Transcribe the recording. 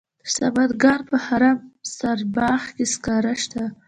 د سمنګان په خرم سارباغ کې سکاره شته.